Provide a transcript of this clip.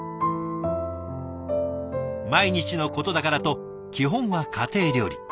毎日のことだからと基本は家庭料理。